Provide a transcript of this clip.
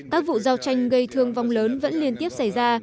các vụ giao tranh gây thương vong lớn vẫn liên tiếp xảy ra